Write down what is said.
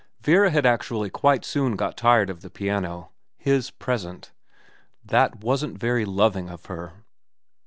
Vera had actually quite soon got tired of the piano. His present. That wasn't very loving of her.